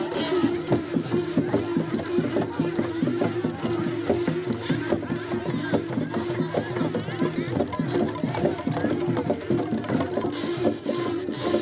dan juga untuk berlangganan kembali di atas kanan